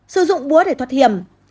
sử dụng búa để thoát hiểm